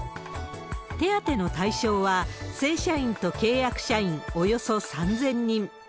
手当の対象は、正社員と契約社員およそ３０００人。